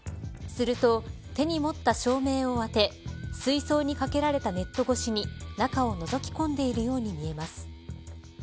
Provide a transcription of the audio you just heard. すると、手に持った照明を当て水槽にかけられたネット越しに中をのぞき込んでいるように見えます。